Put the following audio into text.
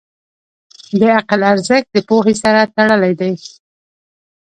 د عقل ارزښت د پوهې سره تړلی دی.